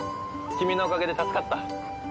君のおかげで助かった。